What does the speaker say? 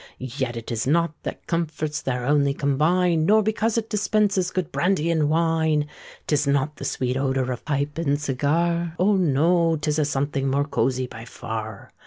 Yet it is not that comforts there only combine, Nor because it dispenses good brandy and wine; 'Tis not the sweet odour of pipe nor cigar— Oh! no—'tis a something more cozie by far!